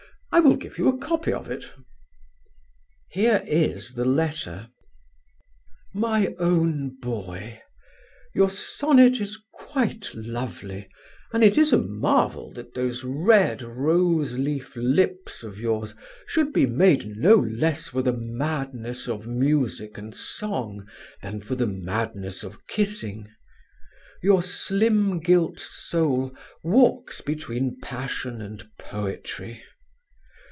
I will give you a copy of it." Here is the letter: "MY OWN BOY, Your sonnet is quite lovely, and it is a marvel that those red rose leaf lips of yours should be made no less for the madness of music and song than for the madness of kissing. Your slim gilt soul walks between passion and poetry.